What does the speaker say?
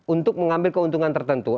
untuk mengambil keuntungan tertentu